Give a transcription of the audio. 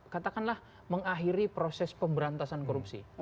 katakanlah mengakhiri proses pemberantasan korupsi